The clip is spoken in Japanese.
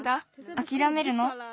あきらめるの？